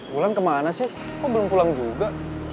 bulan kemana sih kok belum pulang juga